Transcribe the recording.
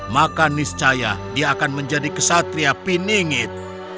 maka niscaya dia akan menjadi kesatria piningit